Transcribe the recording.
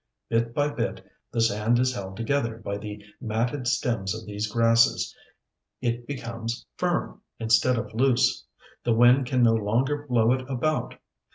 Bit by bit, the sand is held together by the matted stems of these grasses. It becomes firm, instead of loose; the wind can no longer blow it about.